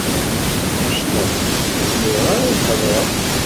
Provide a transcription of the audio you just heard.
Fecleɣ, ur zmireɣ ara ad d-hedreɣ.